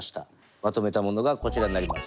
まとめたものがこちらになります。